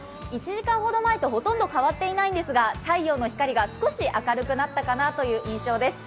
１時間ほど前とほとんど変わっていないんですが、太陽の光が少し明るくなったかなという印象です。